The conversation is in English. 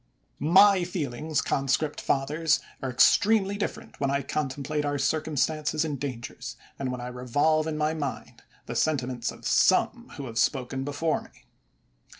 My feelings, conscript fathers, are extremely different when I contemplate our circumstanoes and dangers, and when I revolve in my mind the sentiments of some who have spoken before me.